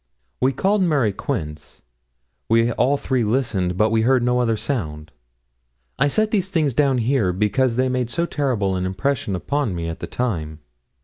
We called Mary Quince. We all three listened, but we heard no other sound. I set these things down here because they made so terrible an impression upon me at the time.